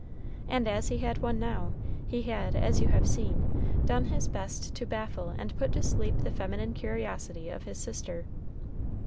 And as he had one now, he had, as you have seen, done his best to baffle and put to sleep the feminine curiosity of his sister.